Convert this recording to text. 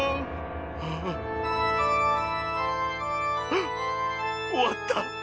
あっおわった。